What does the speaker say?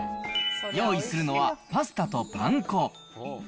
用意するのはパスタとパン粉。